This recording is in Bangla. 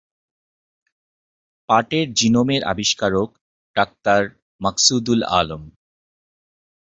পাটের জিনোম এর আবিষ্কারক ডাক্তারমাকসুদুল আলম।